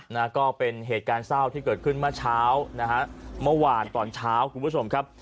นะฮะก็เป็นเหตุการณ์เศร้าที่เกิดขึ้นเมื่อเช้านะฮะเมื่อวานตอนเช้าคุณผู้ชมครับ